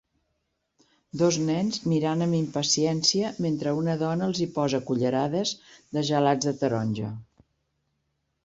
Dos nens mirant amb impaciència mentre una dona els hi posa cullerades de gelats de taronja.